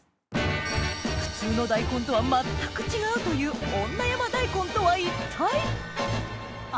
普通の大根とは全く違うという女山大根とは一体？